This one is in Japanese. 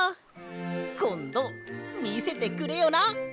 こんどみせてくれよな！